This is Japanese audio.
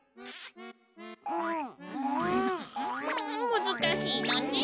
むずかしいのね！